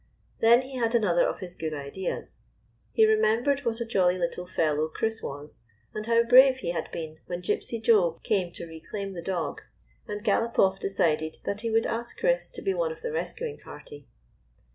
Then he had another of his good ideas. He remembered what a jolly little fellow Chris 208 THE MARCH UPON THE FOE was, and liow brave he had been when the Gypsy Joe came to reclaim the dog, and Galop off decided that he would ask Chris to be one of the rescuing party.